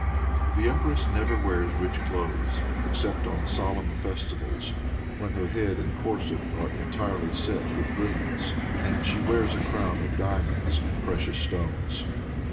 "The empress never wears rich clothes except on solemn festivals, when her head and corset are entirely set with brilliants, and she wears a crown of diamonds and precious stones.